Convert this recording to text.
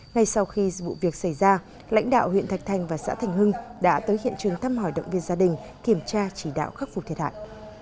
ngay sau khi vụ việc xảy ra lãnh đạo huyện thạch thành và xã thành hưng đã tới hiện trường thăm hỏi động viên gia đình kiểm tra chỉ đạo khắc phục thiệt hại